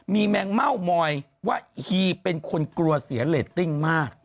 มีแมงเม่ามอยว่าฮีเป็นคนกลัวเสียเรตติ้งมาก